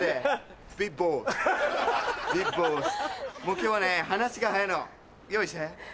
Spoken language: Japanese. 今日はね話が早いの用意して。